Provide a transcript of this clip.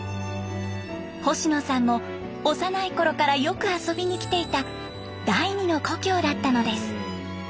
星野さんも幼いころからよく遊びに来ていた第二の故郷だったのです。